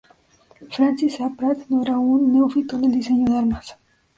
Francis A. Pratt no era un neófito en el diseño de armas.